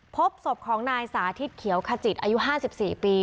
พบศพของนายสาธิตเขียวกาจิตอายุห้าสิบสี่ปี